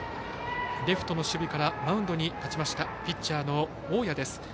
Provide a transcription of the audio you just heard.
レフトの守備からマウンドに立ちましたピッチャーの大矢です。